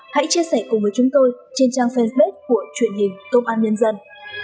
hãy chia sẻ cùng với chúng tôi trên trang facebook của truyền hình tôn an nhân dân